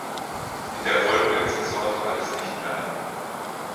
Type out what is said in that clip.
In der folgenden Saison trat es nicht mehr an.